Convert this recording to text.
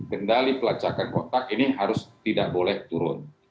kendali pelacakan otak ini harus tidak boleh turun